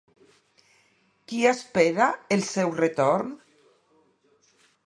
Qui espera el seu retorn?